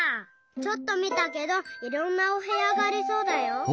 ちょっとみたけどいろんなおへやがありそうだよ。